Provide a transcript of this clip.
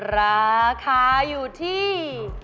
ราคาอยู่ที่